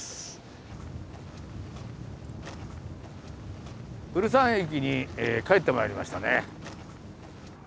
古山駅に帰ってまいりましたね。